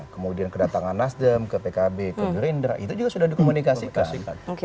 kemudian kedatangan nasdem ke pkb ke gerindra itu juga sudah dikomunikasikan